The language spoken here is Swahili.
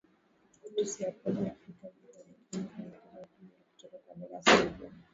tusiyapuuzie afrika bila ukimwi inawezekana ni ujumbe kutoka kwa dada sylivia